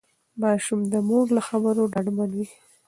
ماشوم د مور له خبرو ډاډمن وي.